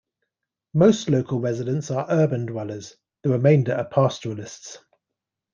Most local residents are urban dwellers; the remainder are pastoralists.